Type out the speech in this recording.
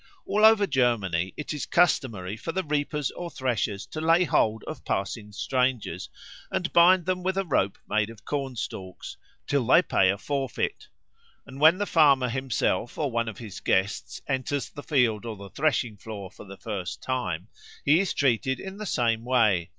All over Germany it is customary for the reapers or threshers to lay hold of passing strangers and bind them with a rope made of corn stalks, till they pay a forfeit; and when the farmer himself or one of his guests enters the field or the threshing floor for the first time, he is treated in the same way.